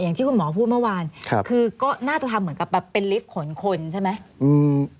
อย่างที่คุณหมอพูดเมื่อวานครับคือก็น่าจะทำเหมือนกับแบบเป็นลิฟต์ขนคนใช่ไหมอืม